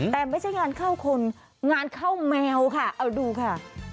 แต่ไม่ใช่งานเข้าคนงานเข้าแมวค่ะเอาดูค่ะ